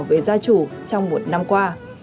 bảo vệ gia chủ trong một năm qua